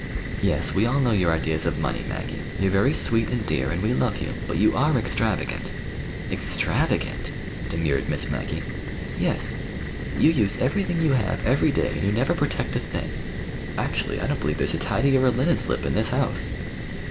"Yes, we all know your ideas of money, Maggie. You're very sweet and dear, and we love you; but you are extravagant." "Extravagant!" demurred Miss Maggie. "Yes. You use everything you have every day; and you never protect a thing. Actually, I don't believe there's a tidy or a linen slip in this house."